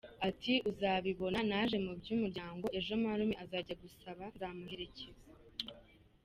Ati “Uzabibona, naje mu by’umuryango, ejo marume azajya gusaba, nzamuherekeza.